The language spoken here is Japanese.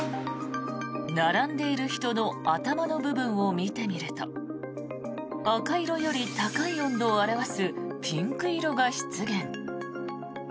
並んでいる人の頭の部分を見てみると赤色より高い温度を表すピンク色が出現。